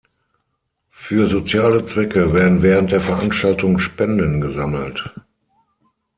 Für soziale Zwecke werden während der Veranstaltung Spenden gesammelt.